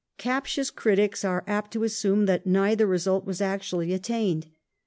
Captious critics are apt to assume that neither result was actually attained.